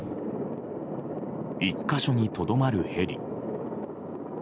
１か所にとどまるヘリ。